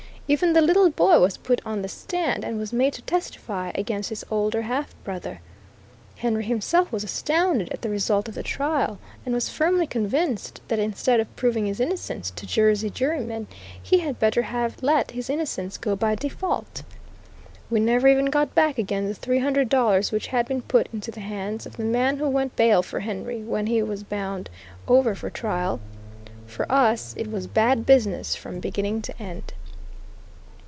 Even the little boy was put on the stand, and was made to testify against his older half brother. Henry himself was astounded at the result of the trial, and was firmly convinced that instead of "proving his innocence" to Jersey jurymen, he had better have let his innocence go by default. We never even got back again the three hundred dollars which had been put into the hands of the man who went bail for Henry when he was bound over for trial. For us, it was bad business from beginning to end.